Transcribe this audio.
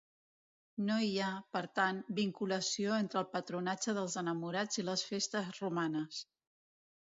No hi ha, per tant, vinculació entre el patronatge dels enamorats i les festes romanes.